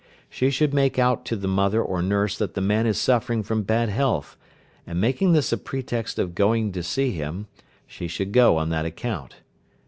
She should make out to the mother or nurse that the man is suffering from bad health, and making this a pretext for going to see him, she should go on that account.